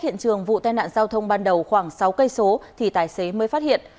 nạn giao thông ban đầu khoảng sáu km thì tài xế mới phát hiện